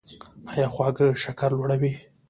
ایا خواږه شکر لوړوي؟